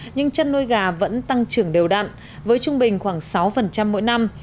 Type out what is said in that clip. nhưng chăn nuôi gà vẫn tăng trưởng đều đặn với trung bình khoảng sáu mỗi năm